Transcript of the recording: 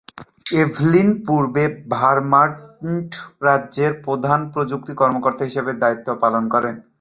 Evelyn পূর্বে Vermont রাজ্যের প্রধান প্রযুক্তি কর্মকর্তা হিসেবে দায়িত্ব পালন করেন।